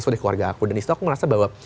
dari keluarga aku dan disitu aku merasa bahwa